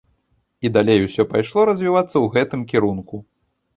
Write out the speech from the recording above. І далей усё пайшло развівацца ў гэтым кірунку.